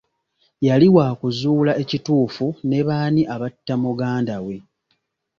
Yali wakuzuula ekituufu ne b'ani abatta muganda we.